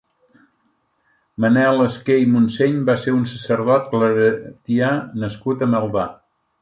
Manuel Esqué i Montseny va ser un sacerdot claretià nascut a Maldà.